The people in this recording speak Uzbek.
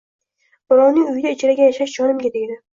Birovning uyida ijarada yashash jonimga tegdi